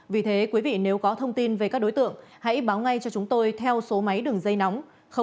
vì thế quý vị nếu có thông tin về các đối tượng hãy báo ngay cho chúng tôi theo số máy đường dây nóng